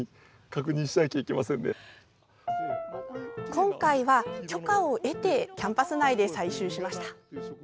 今回は、許可を得てキャンパス内で採集しました。